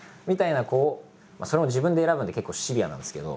それも自分で選ぶんで結構シビアなんですけど。